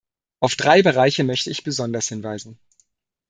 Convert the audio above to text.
Auf drei Bereiche möchte ich besonders hinweisen.